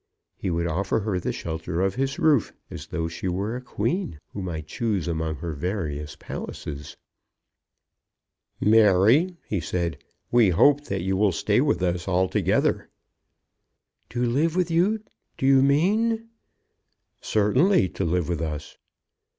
He would offer her the shelter of his roof as though she were a queen who might choose among her various palaces. "Mary," he said, "we hope that you will stay with us altogether." "To live with you, do you mean?" "Certainly to live with us."